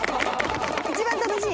一番楽しい！